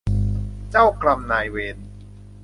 เจ้ากรรมนายเวร